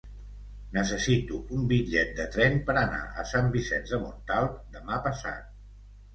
Necessito un bitllet de tren per anar a Sant Vicenç de Montalt demà passat.